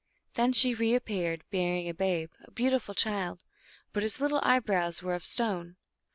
Then she reappeared, bearing a babe, a beautiful child, but his little eyebrows were of stone.